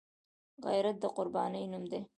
غیرت د قربانۍ نوم دی